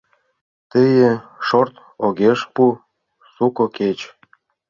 Тые шорт Огеш пу, суко кеч...